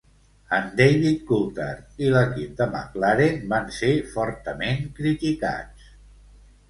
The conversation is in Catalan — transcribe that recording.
En David Coulthard i l'equip de McLaren van ser fortament criticats.